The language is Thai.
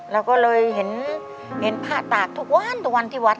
เราก็เลยเห็นผ้าตากทุกวันทุกวันที่วัด